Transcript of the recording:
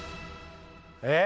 え？